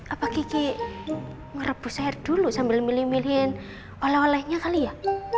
apa kiki merebus air dulu sambil milih milihin oleh olehnya kali ya